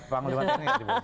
panggul batu ini gak dipulih